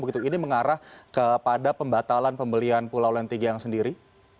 begitu ini mengarah kepada pembatalan pembelian pulau lendigian sendiri